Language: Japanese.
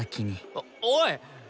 おおい！